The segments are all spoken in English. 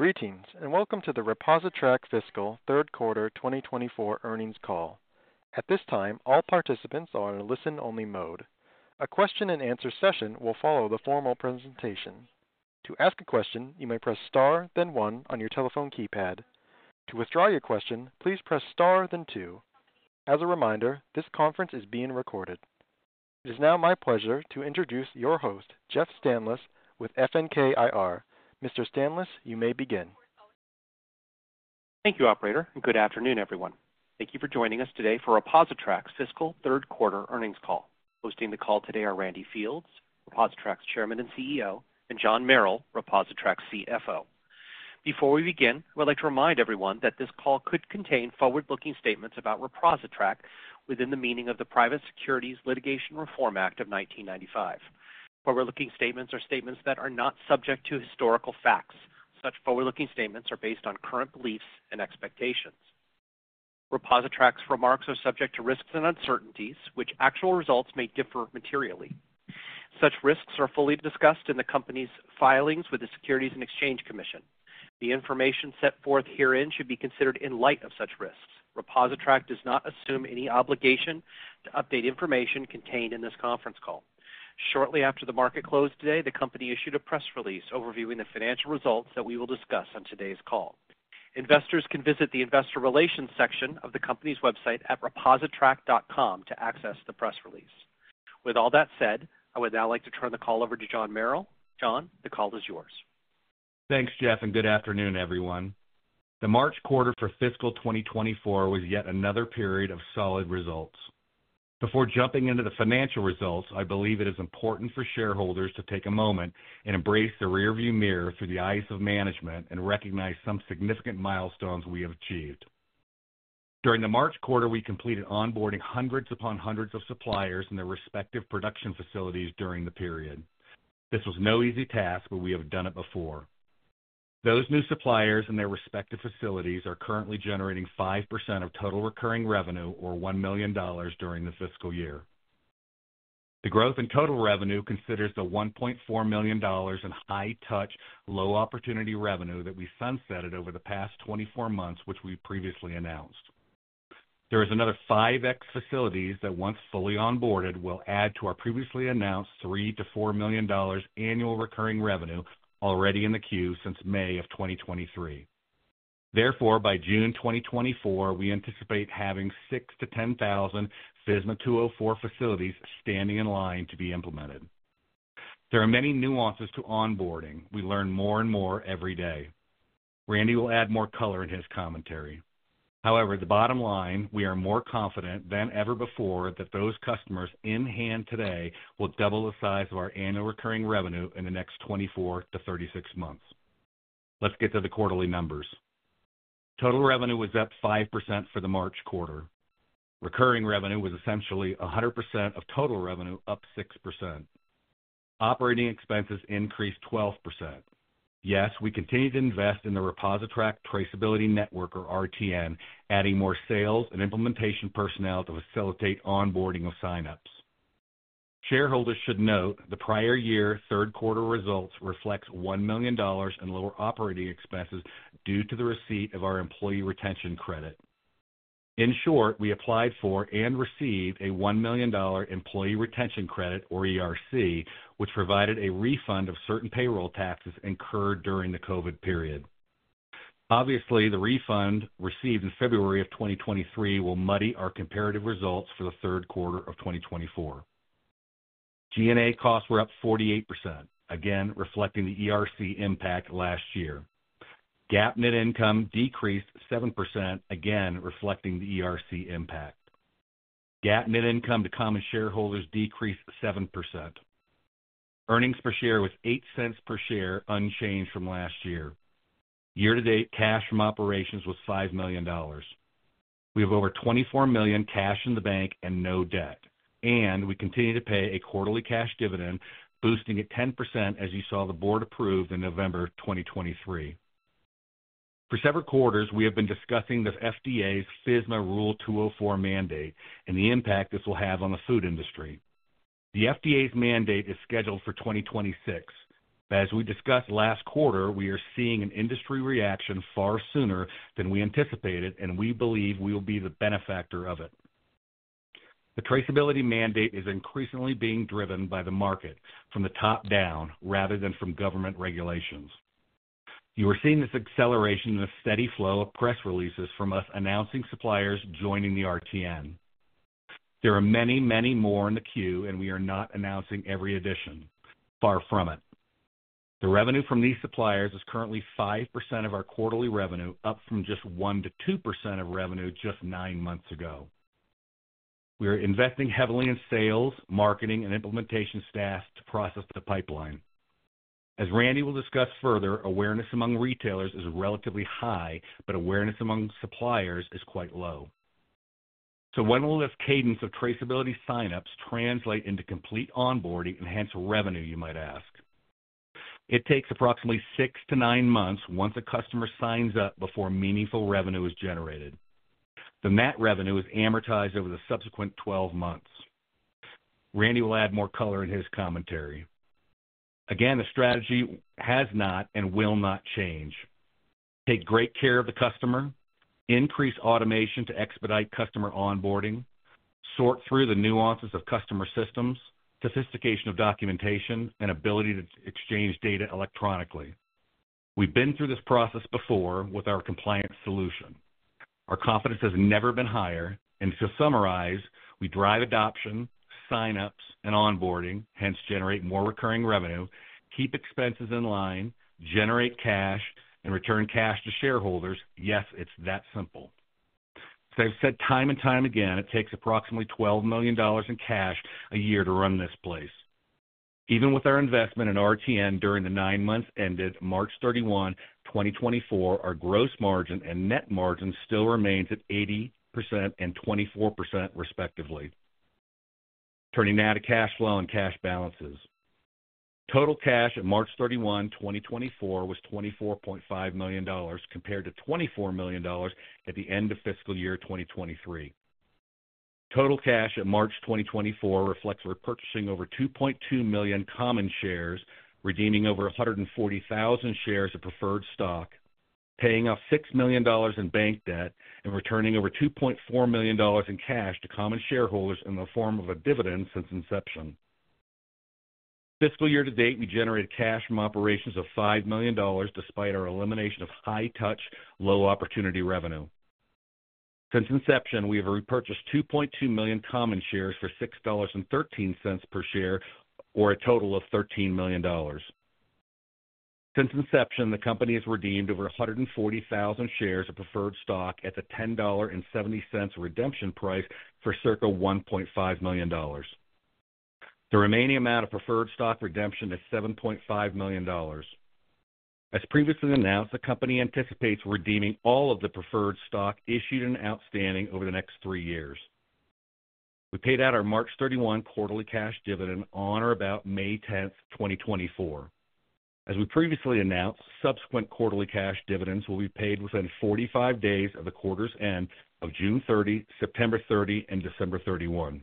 Greetings, and welcome to the ReposiTrak Fiscal Third Quarter 2024 Earnings Call. At this time, all participants are in a listen-only mode. A question and answer session will follow the formal presentation. To ask a question, you may press star, then 1 on your telephone keypad. To withdraw your question, please press star, then 2. As a reminder, this conference is being recorded. It is now my pleasure to introduce your host, Jeff Stanlis, with FNK IR. Mr. Stanlis, you may begin. Thank you, operator, and good afternoon, everyone. Thank you for joining us today for ReposiTrak's fiscal third quarter earnings call. Hosting the call today are Randy Fields, ReposiTrak's Chairman and CEO, and John Merrill, ReposiTrak's CFO. Before we begin, I would like to remind everyone that this call could contain forward-looking statements about ReposiTrak within the meaning of the Private Securities Litigation Reform Act of 1995. Forward-looking statements are statements that are not subject to historical facts. Such forward-looking statements are based on current beliefs and expectations. ReposiTrak's remarks are subject to risks and uncertainties, which actual results may differ materially. Such risks are fully discussed in the company's filings with the Securities and Exchange Commission. The information set forth herein should be considered in light of such risks. ReposiTrak does not assume any obligation to update information contained in this conference call. Shortly after the market closed today, the company issued a press release overviewing the financial results that we will discuss on today's call. Investors can visit the Investor Relations section of the company's website at repositrak.com to access the press release. With all that said, I would now like to turn the call over to John Merrill. John, the call is yours. Thanks, Jeff, and good afternoon, everyone. The March quarter for fiscal 2024 was yet another period of solid results. Before jumping into the financial results, I believe it is important for shareholders to take a moment and embrace the rearview mirror through the eyes of management and recognize some significant milestones we have achieved. During the March quarter, we completed onboarding hundreds upon hundreds of suppliers in their respective production facilities during the period. This was no easy task, but we have done it before. Those new suppliers and their respective facilities are currently generating 5% of total recurring revenue, or $1 million during the fiscal year. The growth in total revenue considers the $1.4 million in high-touch, low-opportunity revenue that we sunsetted over the past 24 months, which we previously announced. There is another 5X facilities that, once fully onboarded, will add to our previously announced $3-$4 million annual recurring revenue already in the queue since May of 2023. Therefore, by June 2024, we anticipate having 6,000-10,000 FSMA 204 facilities standing in line to be implemented. There are many nuances to onboarding. We learn more and more every day. Randy will add more color in his commentary. However, the bottom line, we are more confident than ever before that those customers in hand today will double the size of our annual recurring revenue in the next 24-36 months. Let's get to the quarterly numbers. Total revenue was up 5% for the March quarter. Recurring revenue was essentially 100% of total revenue, up 6%. Operating expenses increased 12%. Yes, we continue to invest in the ReposiTrak Traceability Network, or RTN, adding more sales and implementation personnel to facilitate onboarding of sign-ups. Shareholders should note the prior year, third-quarter results reflects $1 million in lower operating expenses due to the receipt of our employee retention credit. In short, we applied for and received a $1 million employee retention credit, or ERC, which provided a refund of certain payroll taxes incurred during the COVID period. Obviously, the refund received in February of 2023 will muddy our comparative results for the third quarter of 2024. G&A costs were up 48%, again, reflecting the ERC impact last year. GAAP net income decreased 7%, again, reflecting the ERC impact. GAAP net income to common shareholders decreased 7%. Earnings per share was $0.08 per share, unchanged from last year. Year-to-date, cash from operations was $5 million. We have over $24 million cash in the bank and no debt, and we continue to pay a quarterly cash dividend, boosting it 10%, as you saw the board approved in November 2023. For several quarters, we have been discussing the FDA's FSMA Rule 204 mandate and the impact this will have on the food industry. The FDA's mandate is scheduled for 2026. As we discussed last quarter, we are seeing an industry reaction far sooner than we anticipated, and we believe we will be the benefactor of it. The traceability mandate is increasingly being driven by the market from the top down rather than from government regulations. You are seeing this acceleration in a steady flow of press releases from us, announcing suppliers joining the RTN. There are many, many more in the queue, and we are not announcing every addition. Far from it. The revenue from these suppliers is currently 5% of our quarterly revenue, up from just 1%-2% of revenue just 9 months ago. We are investing heavily in sales, marketing, and implementation staff to process the pipeline. As Randy will discuss further, awareness among retailers is relatively high, but awareness among suppliers is quite low. So when will this cadence of traceability sign-ups translate into complete onboarding and hence revenue, you might ask? It takes approximately 6-9 months once a customer signs up before meaningful revenue is generated. The net revenue is amortized over the subsequent 12 months. Randy will add more color in his commentary. Again, the strategy has not and will not change. Take great care of the customer, increase automation to expedite customer onboarding, sort through the nuances of customer systems, sophistication of documentation, and ability to exchange data electronically. We've been through this process before with our compliance solution. Our confidence has never been higher, and to summarize, we drive adoption, sign-ups, and onboarding, hence generate more recurring revenue, keep expenses in line, generate cash, and return cash to shareholders. Yes, it's that simple. As I've said time and time again, it takes approximately $12 million in cash a year to run this place. Even with our investment in RTN during the nine months ended March 31, 2024, our gross margin and net margin still remains at 80% and 24%, respectively. Turning now to cash flow and cash balances. Total cash at March 31, 2024, was $24.5 million, compared to $24 million at the end of fiscal year 2023. Total cash at March 2024 reflects repurchasing over 2.2 million common shares, redeeming over 140,000 shares of preferred stock, paying off $6 million in bank debt, and returning over $2.4 million in cash to common shareholders in the form of a dividend since inception. Fiscal year to date, we generated cash from operations of $5 million, despite our elimination of high-touch, low-opportunity revenue. Since inception, we have repurchased 2.2 million common shares for $6.13 per share, or a total of $13 million. Since inception, the company has redeemed over 140,000 shares of preferred stock at the $10.70 redemption price for circa $1.5 million. The remaining amount of preferred stock redemption is $7.5 million. As previously announced, the company anticipates redeeming all of the preferred stock issued and outstanding over the next 3 years. We paid out our March 31 quarterly cash dividend on or about May 10, 2024. As we previously announced, subsequent quarterly cash dividends will be paid within 45 days of the quarter's end of June 30, September 30, and December 31.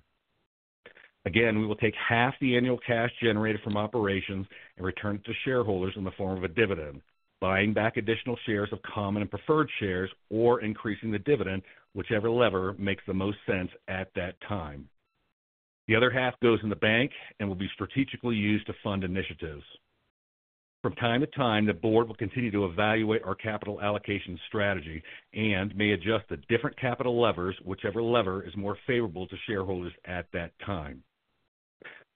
Again, we will take half the annual cash generated from operations and return it to shareholders in the form of a dividend, buying back additional shares of common and preferred shares, or increasing the dividend, whichever lever makes the most sense at that time. The other half goes in the bank and will be strategically used to fund initiatives. From time to time, the board will continue to evaluate our capital allocation strategy and may adjust the different capital levers, whichever lever is more favorable to shareholders at that time.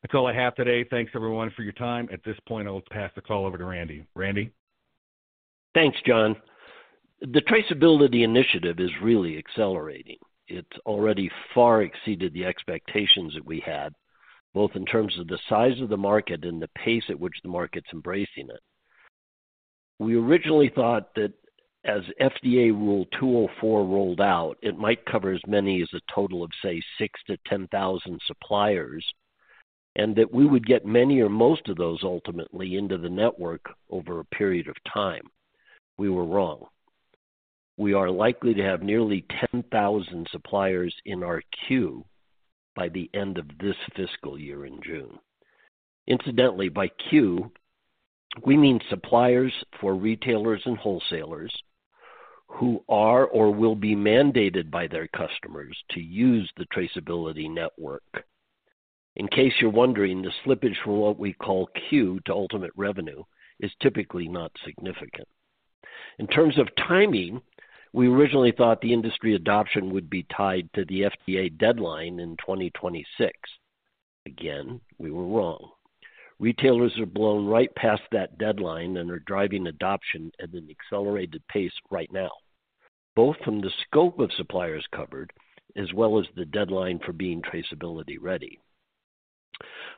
That's all I have today. Thanks, everyone, for your time. At this point, I will pass the call over to Randy. Randy? Thanks, John. The traceability initiative is really accelerating. It's already far exceeded the expectations that we had, both in terms of the size of the market and the pace at which the market's embracing it. We originally thought that as FDA Rule 204 rolled out, it might cover as many as a total of, say, 6,000-10,000 suppliers, and that we would get many or most of those ultimately into the network over a period of time. We were wrong. We are likely to have nearly 10,000 suppliers in our queue by the end of this fiscal year in June. Incidentally, by queue, we mean suppliers for retailers and wholesalers who are or will be mandated by their customers to use the traceability network. In case you're wondering, the slippage from what we call queue to ultimate revenue is typically not significant. In terms of timing, we originally thought the industry adoption would be tied to the FDA deadline in 2026. Again, we were wrong. Retailers have blown right past that deadline and are driving adoption at an accelerated pace right now, both from the scope of suppliers covered as well as the deadline for being traceability-ready.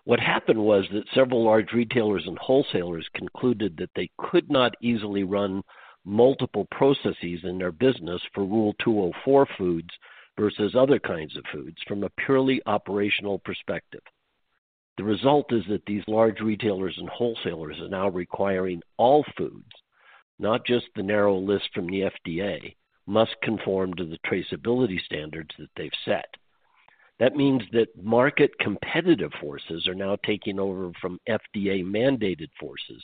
What happened was that several large retailers and wholesalers concluded that they could not easily run multiple processes in their business for Rule 204 foods versus other kinds of foods from a purely operational perspective. The result is that these large retailers and wholesalers are now requiring all foods, not just the narrow list from the FDA, must conform to the traceability standards that they've set. That means that market competitive forces are now taking over from FDA-mandated forces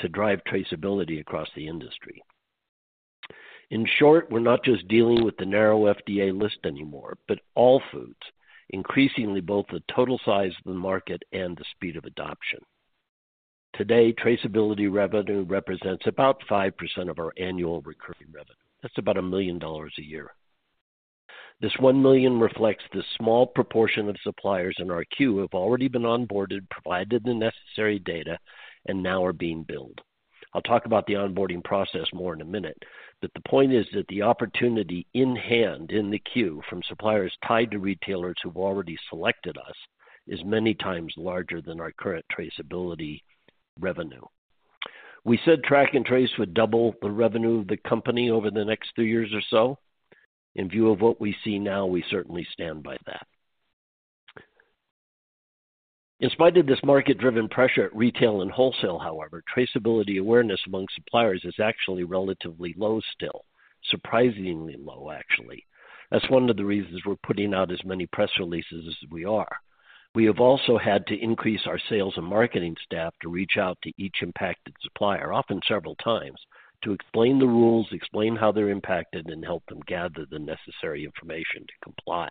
to drive traceability across the industry. In short, we're not just dealing with the narrow FDA list anymore, but all foods, increasingly both the total size of the market and the speed of adoption. Today, traceability revenue represents about 5% of our annual recurring revenue. That's about $1 million a year. This $1 million reflects the small proportion of suppliers in our queue who have already been onboarded, provided the necessary data, and now are being billed. I'll talk about the onboarding process more in a minute, but the point is that the opportunity in hand, in the queue, from suppliers tied to retailers who've already selected us, is many times larger than our current traceability revenue. We said track and trace would double the revenue of the company over the next two years or so. In view of what we see now, we certainly stand by that. In spite of this market-driven pressure at retail and wholesale, however, traceability awareness among suppliers is actually relatively low still. Surprisingly low, actually. That's one of the reasons we're putting out as many press releases as we are. We have also had to increase our sales and marketing staff to reach out to each impacted supplier, often several times, to explain the rules, explain how they're impacted, and help them gather the necessary information to comply.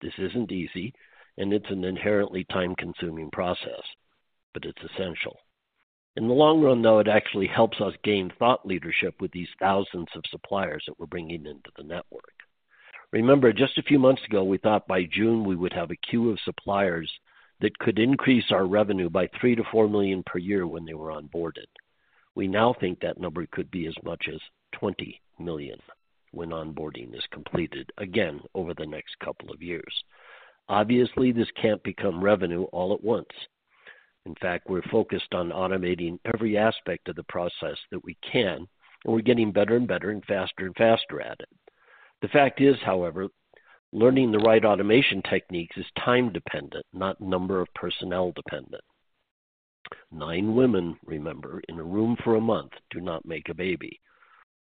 This isn't easy, and it's an inherently time-consuming process, but it's essential. In the long run, though, it actually helps us gain thought leadership with these thousands of suppliers that we're bringing into the network. Remember, just a few months ago, we thought by June we would have a queue of suppliers that could increase our revenue by $3 million-$4 million per year when they were onboarded. We now think that number could be as much as $20 million when onboarding is completed, again, over the next couple of years. Obviously, this can't become revenue all at once. In fact, we're focused on automating every aspect of the process that we can, and we're getting better and better and faster and faster at it. The fact is, however, learning the right automation techniques is time-dependent, not number of personnel-dependent. Nine women, remember, in a room for a month, do not make a baby.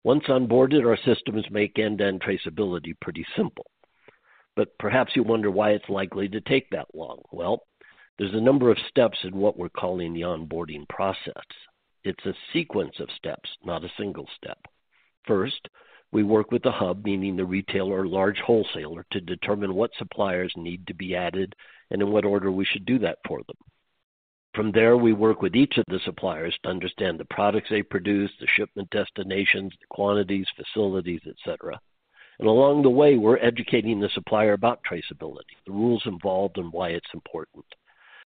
Once onboarded, our systems make end-to-end traceability pretty simple, but perhaps you wonder why it's likely to take that long. Well, there's a number of steps in what we're calling the onboarding process. It's a sequence of steps, not a single step. First, we work with the hub, meaning the retailer or large wholesaler, to determine what suppliers need to be added and in what order we should do that for them. From there, we work with each of the suppliers to understand the products they produce, the shipment destinations, the quantities, facilities, et cetera. Along the way, we're educating the supplier about traceability, the rules involved, and why it's important.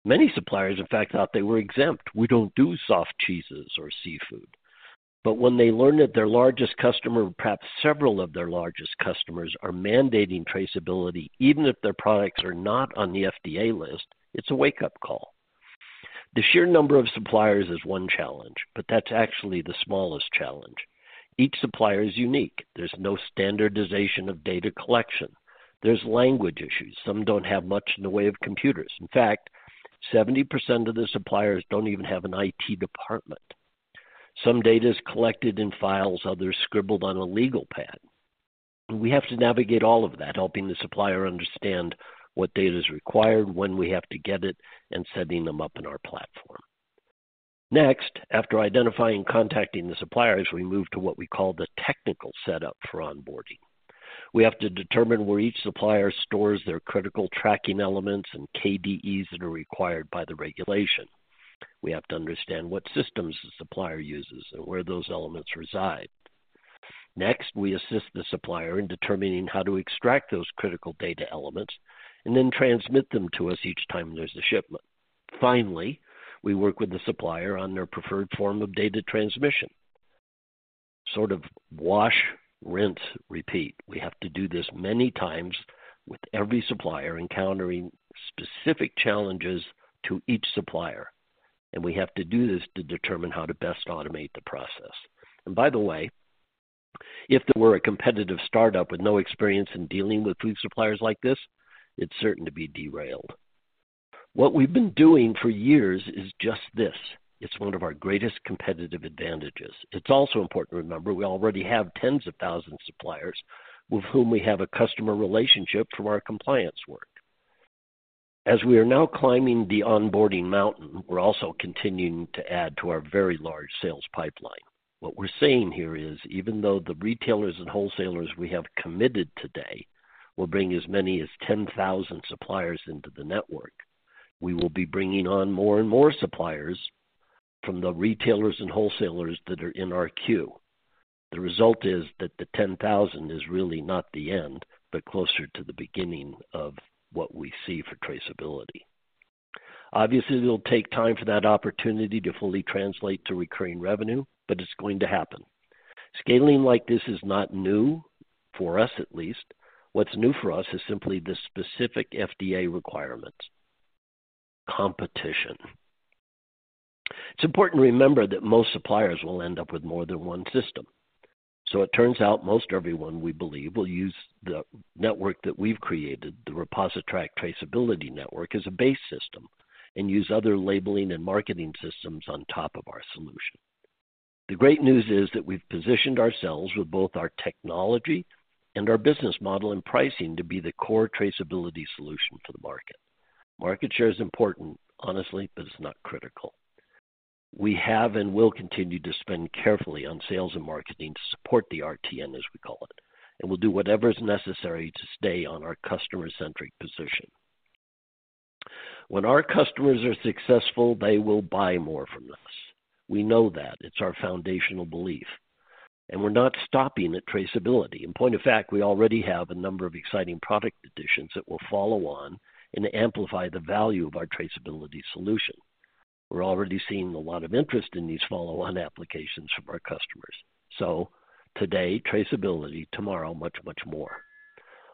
Many suppliers, in fact, thought they were exempt. "We don't do soft cheeses or seafood." When they learn that their largest customer, or perhaps several of their largest customers, are mandating traceability, even if their products are not on the FDA list, it's a wake-up call. The sheer number of suppliers is one challenge, but that's actually the smallest challenge. Each supplier is unique. There's no standardization of data collection. There's language issues. Some don't have much in the way of computers. In fact, 70% of the suppliers don't even have an IT department. Some data is collected in files, others scribbled on a legal pad, and we have to navigate all of that, helping the supplier understand what data is required, when we have to get it, and setting them up in our platform. Next, after identifying and contacting the suppliers, we move to what we call the technical setup for onboarding. We have to determine where each supplier stores their critical tracking elements and KDEs that are required by the regulation. We have to understand what systems the supplier uses and where those elements reside. Next, we assist the supplier in determining how to extract those critical data elements and then transmit them to us each time there's a shipment. Finally, we work with the supplier on their preferred form of data transmission. Sort of wash, rinse, repeat. We have to do this many times with every supplier, encountering specific challenges to each supplier, and we have to do this to determine how to best automate the process. By the way, if there were a competitive startup with no experience in dealing with food suppliers like this, it's certain to be derailed. What we've been doing for years is just this. It's one of our greatest competitive advantages. It's also important to remember we already have tens of thousands of suppliers with whom we have a customer relationship from our compliance work. As we are now climbing the onboarding mountain, we're also continuing to add to our very large sales pipeline. What we're saying here is, even though the retailers and wholesalers we have committed today will bring as many as 10,000 suppliers into the network, we will be bringing on more and more suppliers from the retailers and wholesalers that are in our queue. The result is that the 10,000 is really not the end, but closer to the beginning of what we see for traceability. Obviously, it'll take time for that opportunity to fully translate to recurring revenue, but it's going to happen. Scaling like this is not new, for us at least. What's new for us is simply the specific FDA requirements. Competition. It's important to remember that most suppliers will end up with more than one system, so it turns out most everyone, we believe, will use the network that we've created, the ReposiTrak Traceability Network, as a base system and use other labeling and marketing systems on top of our solution. The great news is that we've positioned ourselves with both our technology and our business model and pricing to be the core traceability solution for the market. Market share is important, honestly, but it's not critical. We have and will continue to spend carefully on sales and marketing to support the RTN, as we call it, and we'll do whatever is necessary to stay on our customer-centric position. When our customers are successful, they will buy more from us. We know that. It's our foundational belief, and we're not stopping at traceability. In point of fact, we already have a number of exciting product additions that will follow on and amplify the value of our traceability solution. We're already seeing a lot of interest in these follow-on applications from our customers. So today, traceability, tomorrow, much, much more.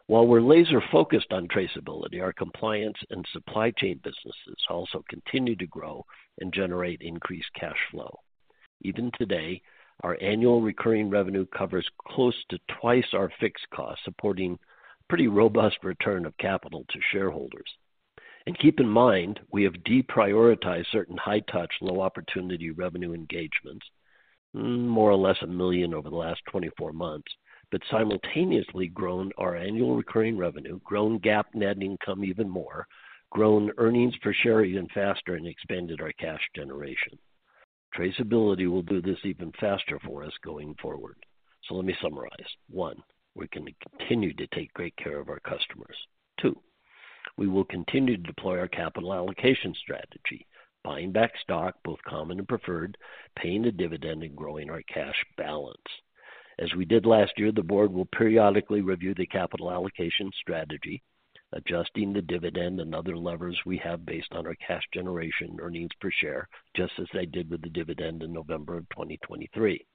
While we're laser focused on traceability, our compliance and supply chain businesses also continue to grow and generate increased cash flow. Even today, our annual recurring revenue covers close to twice our fixed costs, supporting pretty robust return of capital to shareholders. Keep in mind, we have deprioritized certain high-touch, low-opportunity revenue engagements, more or less $1 million over the last 24 months, but simultaneously grown our annual recurring revenue, grown GAAP net income even more, grown earnings per share even faster, and expanded our cash generation. Traceability will do this even faster for us going forward. So let me summarize. One, we're gonna continue to take great care of our customers. Two, we will continue to deploy our capital allocation strategy, buying back stock, both common and preferred, paying a dividend, and growing our cash balance. As we did last year, the board will periodically review the capital allocation strategy, adjusting the dividend and other levers we have, based on our cash generation, earnings per share, just as they did with the dividend in November of 2023.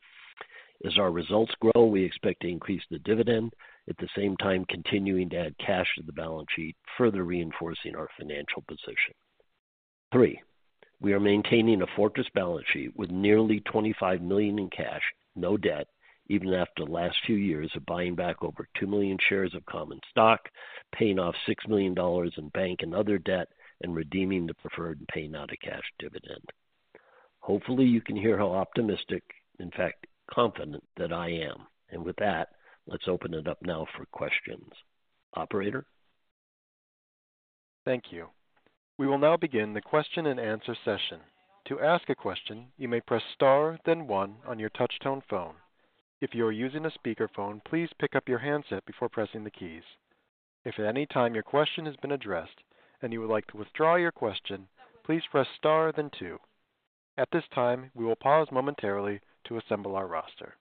As our results grow, we expect to increase the dividend, at the same time continuing to add cash to the balance sheet, further reinforcing our financial position. Three, we are maintaining a fortress balance sheet with nearly $25 million in cash, no debt, even after the last few years of buying back over 2 million shares of common stock, paying off $6 million in bank and other debt, and redeeming the preferred and paying out a cash dividend. Hopefully, you can hear how optimistic, in fact, confident that I am. And with that, let's open it up now for questions. Operator? Thank you. We will now begin the question-and-answer session. To ask a question, you may press Star, then One on your touchtone phone. If you are using a speakerphone, please pick up your handset before pressing the keys. If at any time your question has been addressed and you would like to withdraw your question, please press Star then Two. At this time, we will pause momentarily to assemble our roster.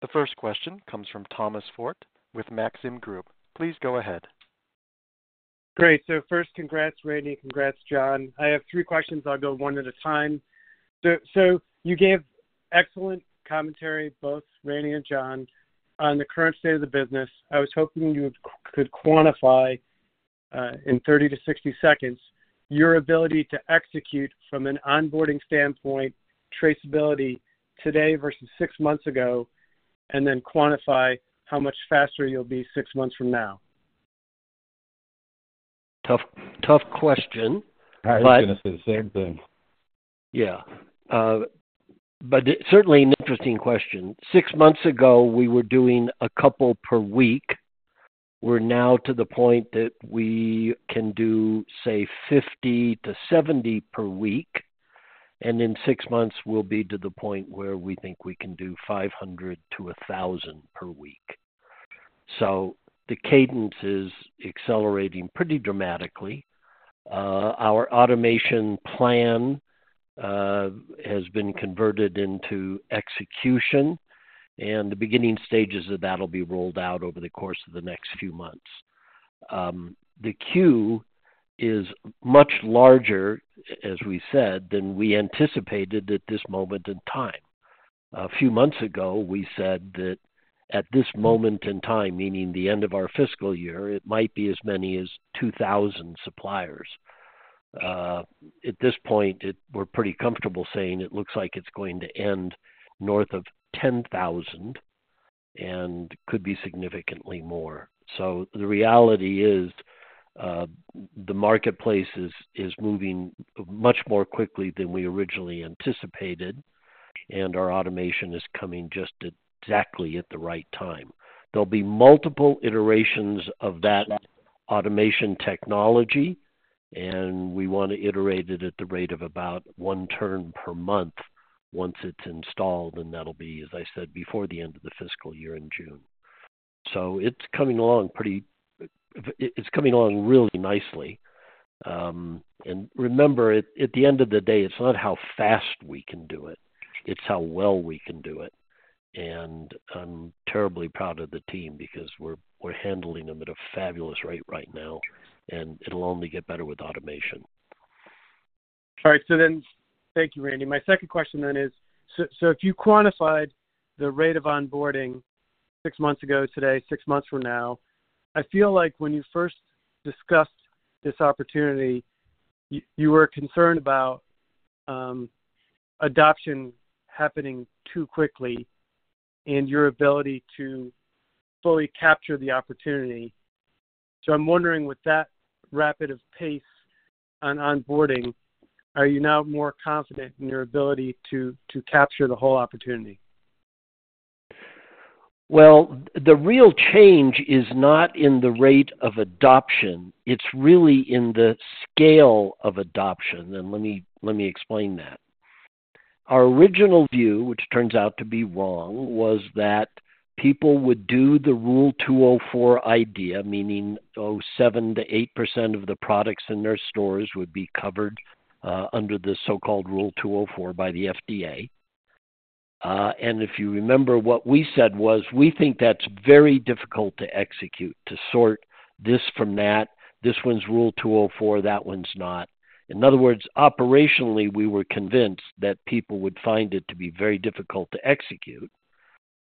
The first question comes from Thomas Forte with Maxim Group. Please go ahead. Great. So first, congrats, Randy. Congrats, John. I have 3 questions. I'll go one at a time. So you gave excellent commentary, both Randy and John, on the current state of the business. I was hoping you could quantify, in 30-60 seconds, your ability to execute from an onboarding standpoint, traceability today versus 6 months ago, and then quantify how much faster you'll be 6 months from now. Tough, tough question. I was gonna say the same thing. Yeah. But certainly an interesting question. Six months ago, we were doing a couple per week. We're now to the point that we can do, say, 50-70 per week, and in six months we'll be to the point where we think we can do 500-1,000 per week. So the cadence is accelerating pretty dramatically. Our automation plan has been converted into execution, and the beginning stages of that will be rolled out over the course of the next few months. The queue is much larger, as we said, than we anticipated at this moment in time. A few months ago, we said that at this moment in time, meaning the end of our fiscal year, it might be as many as 2,000 suppliers. At this point, it, we're pretty comfortable saying it looks like it's going to end north of 10,000 and could be significantly more. So the reality is, the marketplace is moving much more quickly than we originally anticipated, and our automation is coming just exactly at the right time. There'll be multiple iterations of that automation technology, and we want to iterate it at the rate of about one turn per month once it's installed, and that'll be, as I said, before the end of the fiscal year in June. So it's coming along pretty... it's coming along really nicely. And remember, at the end of the day, it's not how fast we can do it, it's how well we can do it. I'm terribly proud of the team because we're handling them at a fabulous rate right now, and it'll only get better with automation. All right, so then thank you, Randy. My second question then is: so, so if you quantified the rate of onboarding six months ago today, six months from now, I feel like when you first discussed this opportunity, you were concerned about adoption happening too quickly and your ability to fully capture the opportunity. So I'm wondering, with that rapid of pace on onboarding, are you now more confident in your ability to capture the whole opportunity? Well, the real change is not in the rate of adoption, it's really in the scale of adoption. And let me explain that. Our original view, which turns out to be wrong, was that people would do the Rule 204 idea, meaning 7%-8% of the products in their stores would be covered under the so-called Rule 204 by the FDA. And if you remember, what we said was, we think that's very difficult to execute, to sort this from that. This one's Rule 204, that one's not. In other words, operationally, we were convinced that people would find it to be very difficult to execute.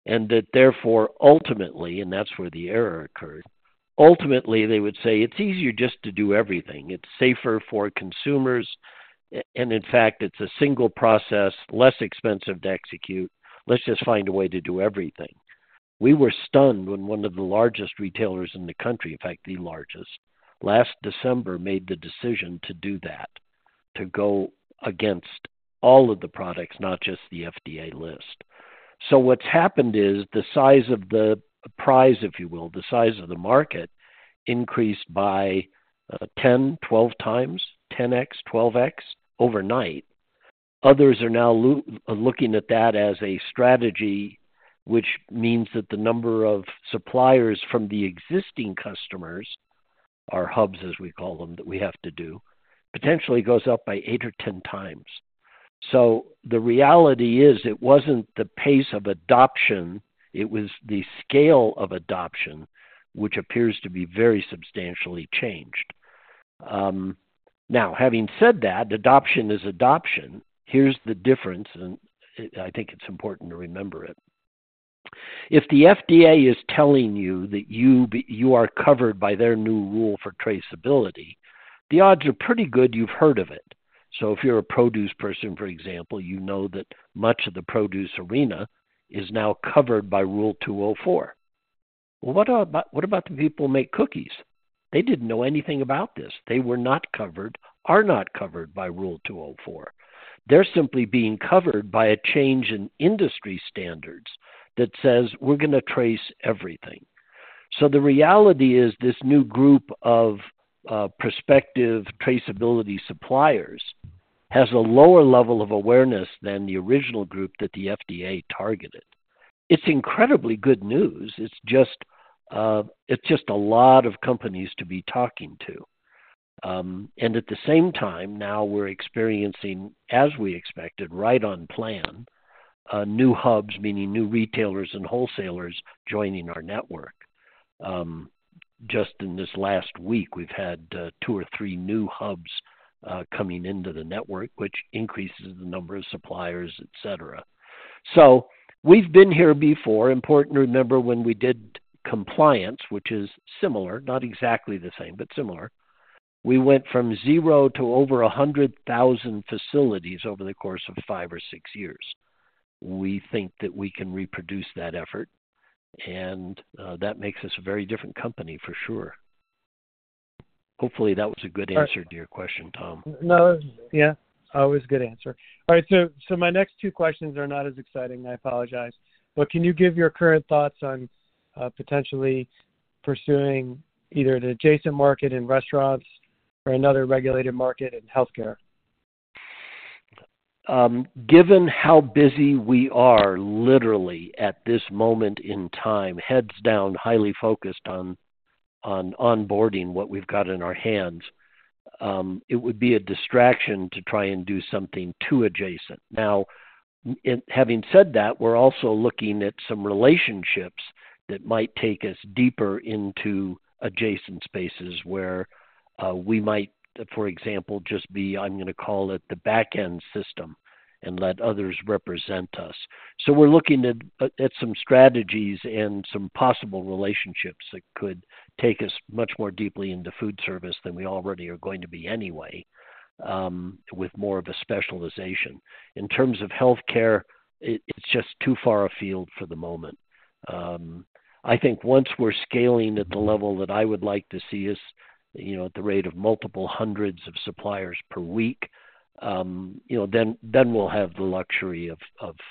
And that therefore, ultimately, and that's where the error occurred. Ultimately, they would say, it's easier just to do everything. It's safer for consumers, and in fact, it's a single process, less expensive to execute. Let's just find a way to do everything. We were stunned when one of the largest retailers in the country, in fact, the largest, last December, made the decision to do that, to go against all of the products, not just the FDA list. So what's happened is the size of the prize, if you will, the size of the market, increased by 10, 12 times, 10x, 12x overnight. Others are now looking at that as a strategy, which means that the number of suppliers from the existing customers, or hubs, as we call them, that we have to do, potentially goes up by 8 or 10 times. So the reality is, it wasn't the pace of adoption, it was the scale of adoption, which appears to be very substantially changed. Now, having said that, adoption is adoption. Here's the difference, and, and I think it's important to remember it. If the FDA is telling you that you are covered by their new rule for traceability, the odds are pretty good you've heard of it. So if you're a produce person, for example, you know that much of the produce arena is now covered by Rule 204. What about, what about the people who make cookies? They didn't know anything about this. They were not covered, are not covered by Rule 204. They're simply being covered by a change in industry standards that says we're gonna trace everything. So the reality is, this new group of prospective traceability suppliers has a lower level of awareness than the original group that the FDA targeted. It's incredibly good news. It's just a lot of companies to be talking to. And at the same time, now we're experiencing, as we expected, right on plan, new hubs, meaning new retailers and wholesalers joining our network. Just in this last week, we've had two or three new hubs coming into the network, which increases the number of suppliers, et cetera. So we've been here before. Important to remember when we did compliance, which is similar, not exactly the same, but similar, we went from zero to over 100,000 facilities over the course of five or six years. We think that we can reproduce that effort, and that makes us a very different company, for sure. Hopefully, that was a good answer to your question, Tom. No, yeah, always a good answer. All right, so, so my next two questions are not as exciting, I apologize. But can you give your current thoughts on, potentially pursuing either the adjacent market in restaurants or another regulated market in healthcare? Given how busy we are literally at this moment in time, heads down, highly focused on onboarding what we've got in our hands, it would be a distraction to try and do something too adjacent. Now, having said that, we're also looking at some relationships that might take us deeper into adjacent spaces where we might, for example, just be, I'm gonna call it the back-end system and let others represent us. So we're looking at some strategies and some possible relationships that could take us much more deeply into food service than we already are going to be anyway, with more of a specialization. In terms of healthcare, it's just too far afield for the moment. I think once we're scaling at the level that I would like to see us, you know, at the rate of multiple hundreds of suppliers per week, you know, then we'll have the luxury of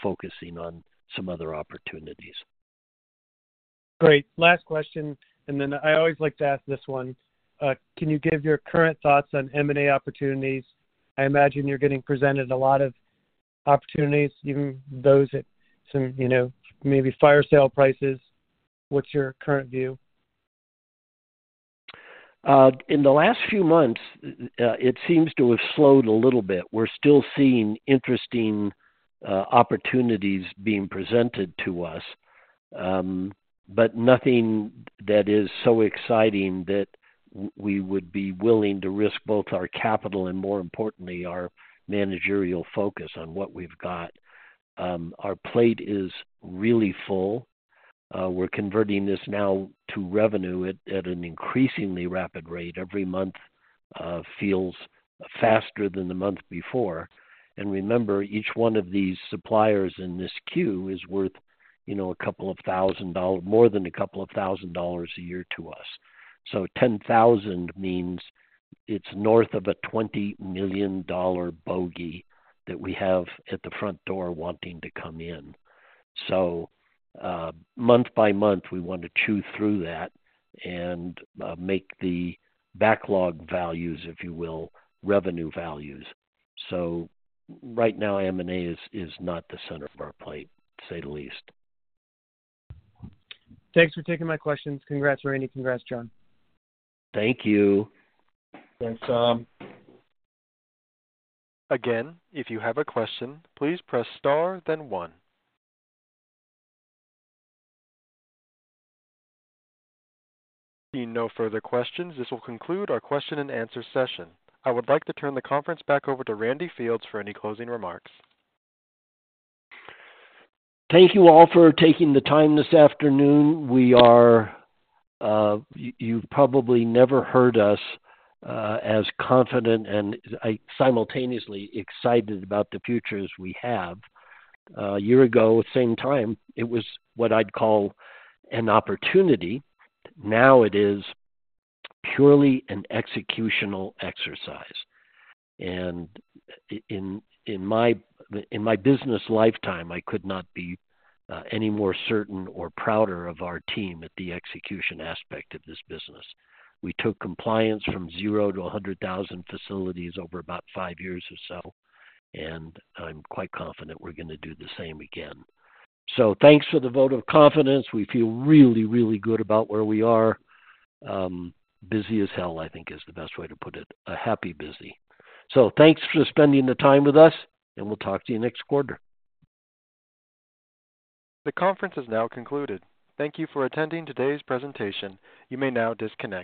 focusing on some other opportunities. Great. Last question, and then I always like to ask this one. Can you give your current thoughts on M&A opportunities? I imagine you're getting presented a lot of opportunities, even those at some, you know, maybe fire sale prices. What's your current view? In the last few months, it seems to have slowed a little bit. We're still seeing interesting opportunities being presented to us, but nothing that is so exciting that we would be willing to risk both our capital and more importantly, our managerial focus on what we've got. Our plate is really full. We're converting this now to revenue at an increasingly rapid rate. Every month feels faster than the month before. And remember, each one of these suppliers in this queue is worth, you know, a couple of thousand dollars, more than a couple of thousand dollars a year to us. So 10,000 means it's north of a $20 million bogey that we have at the front door wanting to come in. So, month by month, we want to chew through that and make the backlog values, if you will, revenue values. So right now, M&A is not the center of our plate, to say the least. Thanks for taking my questions. Congrats, Randy. Congrats, John. Thank you. Thanks, Tom. Again, if you have a question, please press Star, then one. Seeing no further questions, this will conclude our question and answer session. I would like to turn the conference back over to Randy Fields for any closing remarks. Thank you all for taking the time this afternoon. We are. You've probably never heard us as confident and simultaneously excited about the future as we have. A year ago, same time, it was what I'd call an opportunity. Now it is purely an executional exercise, and in my business lifetime, I could not be any more certain or prouder of our team at the execution aspect of this business. We took compliance from zero to 100,000 facilities over about five years or so, and I'm quite confident we're gonna do the same again. So thanks for the vote of confidence. We feel really, really good about where we are. Busy as hell, I think, is the best way to put it. A happy busy. Thanks for spending the time with us, and we'll talk to you next quarter. The conference is now concluded. Thank you for attending today's presentation. You may now disconnect.